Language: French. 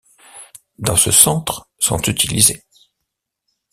Dans ce centre, sont utilisées.